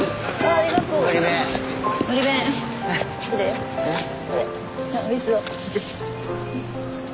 あおいしそう。